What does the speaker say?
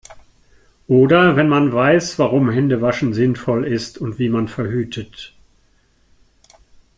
Oder wenn man weiß, warum Hände waschen sinnvoll ist und wie man verhütet.